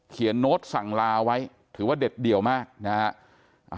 โน้ตสั่งลาไว้ถือว่าเด็ดเดี่ยวมากนะฮะ